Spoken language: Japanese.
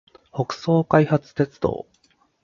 北総開発鉄道